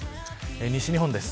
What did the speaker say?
西日本です。